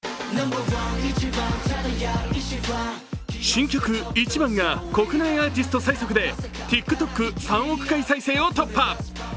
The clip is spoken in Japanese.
新曲「Ｉｃｈｉｂａｎ」が国内アーティスト最速でＴｉｋＴｏｋ３億回再生を突破。